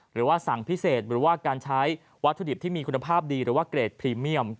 หรือว่าสั่งพิเศษหรือว่าการใช้วัตถุดิบที่มีคุณภาพดีหรือว่าเกรดพรีเมียม